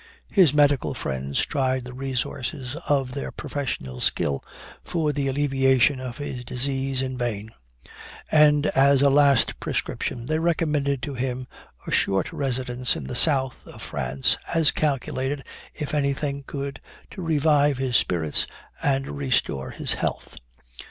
His medical friends tried the resources of their professional skill for the alleviation of his disease in vain; and as a last prescription, they recommended to him a short residence in the south of France, as calculated, if any thing could, to revive his spirits and restore his health.